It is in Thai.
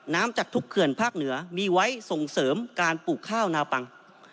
จากทุกเขื่อนภาคเหนือมีไว้ส่งเสริมการปลูกข้าวนาปัง